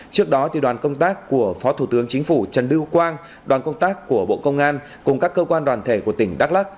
trước đó đoàn công tác của phó thủ tướng chính phủ trần lưu quang đoàn công tác của bộ công an cùng các cơ quan đoàn thể của tỉnh đắk lắc